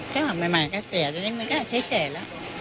เจ้าหัวใหม่ก็เสียแต่นี่มันก็เฉยแล้ว